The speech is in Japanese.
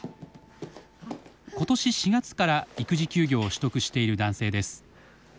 今年４月から育児休業を取得している男性です。